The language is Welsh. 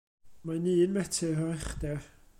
Mae'n un metr o uchder.